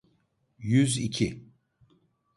Yüz iki.